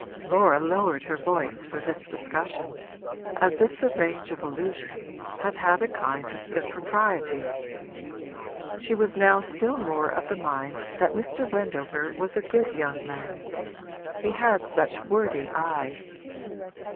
Laura lowered her voice for this discussion, as if the range of allusion had had a kind of impropriety. She was now still more of the mind that Mr. Wendover was a good young man he had such worthy eyes.